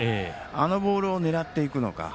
あのボールを狙っていくのか。